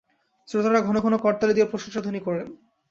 শ্রোতারা ঘন ঘন করতালি দিয়া প্রশংসাধ্বনি করেন।